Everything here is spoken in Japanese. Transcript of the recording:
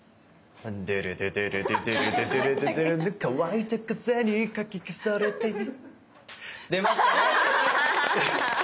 デレデデレデデレデデレデデレデ「乾いた風にかき消されて」出ましたね。